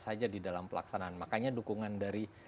saja di dalam pelaksanaan makanya dukungan dari